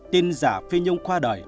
tin giả phi nhung qua đời